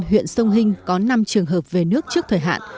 huyện sông hinh có năm trường hợp về nước trước thời hạn